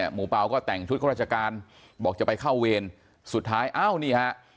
เป๋าก็แต่งชุดข้าราชการบอกจะไปเข้าเวรสุดท้ายอ้าวนี่ฮะ